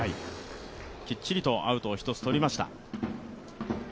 きっちりとアウトを１つとりました。